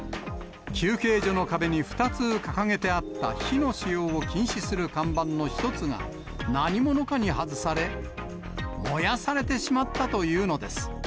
休憩所の壁に２つ掲げてあった火の使用を禁止する看板の１つが、何者かに外され、燃やされてしまったというのです。